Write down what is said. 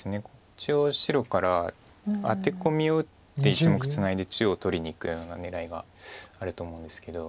一応白からアテコミを打って１目ツナいで中央を取りにいくような狙いがあると思うんですけど。